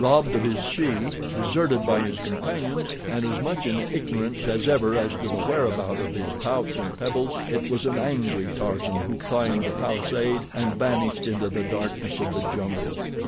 Robbed of his she, deserted by his companions, and as much in ignorance as ever as to the whereabouts of his pouch and pebbles, it was an angry Tarzan who climbed the palisade and vanished into the darkness of the jungle.